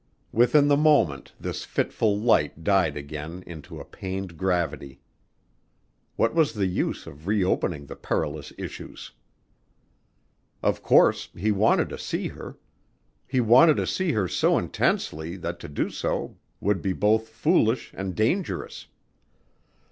Within the moment this fitful light died again into a pained gravity. What was the use of reopening the perilous issues? Of course he wanted to see her. He wanted to see her so intensely that to do so would be both foolish and dangerous.